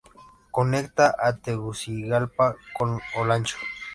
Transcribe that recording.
Conecta a Tegucigalpa con Olancho.